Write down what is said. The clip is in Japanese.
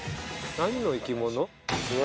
何の生き物？